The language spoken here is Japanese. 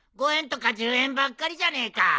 ５円とか１０円ばっかりじゃねえか。